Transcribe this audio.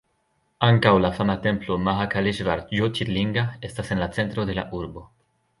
Ankaŭ la fama templo Mahakaleŝvar Ĝjotirlinga estas en la centro de la urbo.